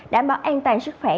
đảm bảo an toàn sức khỏe